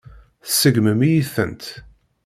Tseggmem-iyi-tent.